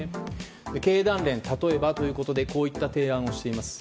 経団連、例えばということでこういった提案をしています。